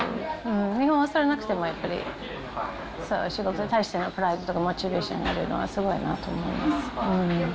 日本はそれがなくても、やっぱり、仕事に対してのプライドとかモチベーションがあるのはすごいなと思います。